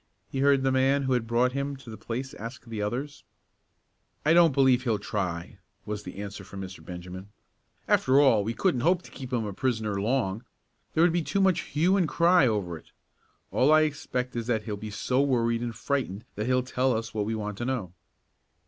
he heard the man who had brought him to the place ask the others. "I don't believe he'll try," was the answer from Mr. Benjamin. "After all, we couldn't hope to keep him a prisoner long. There would be too much hue and cry over it. All I expect is that he'll be so worried and frightened that he'll tell us what we want to know."